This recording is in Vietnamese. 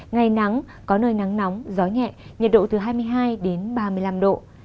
ngày nắng có nơi nắng nóng gió nhẹ nhiệt độ từ hai mươi hai đến ba mươi năm độ